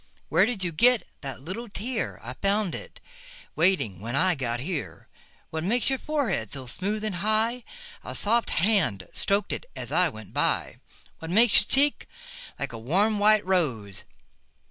Where did you get that little tear?I found it waiting when I got here. What makes your forehead so smooth and high?A soft hand strok'd it as I went by. What makes your cheek like a warm white rose?